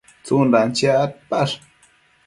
tsundan chiac adpash?